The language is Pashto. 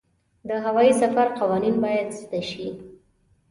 د هوايي سفر قوانین باید زده شي.